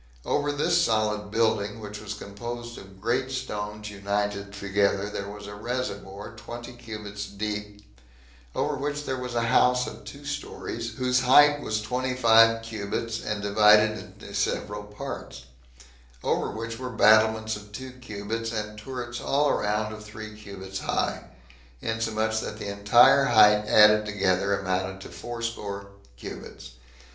Over this solid building, which was composed of great stones united together, there was a reservoir twenty cubits deep, over which there was a house of two stories, whose height was twenty five cubits, and divided into several parts; over which were battlements of two cubits, and turrets all round of three cubits high, insomuch that the entire height added together amounted to fourscore cubits.